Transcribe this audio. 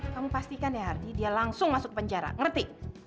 kamu pastikan ya hardy dia langsung masuk penjara ngerti